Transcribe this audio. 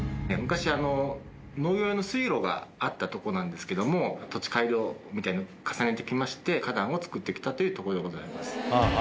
昔農業用の水路があったとこなんですけども土地改良みたいに重ねてきまして花壇を作ってきたというとこです